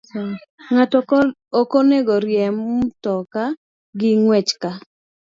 Ng'ato ok onego oriemb mtoka gi ng'wech ka